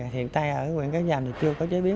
hiện tại ở quận cá giàm thì chưa có chế biến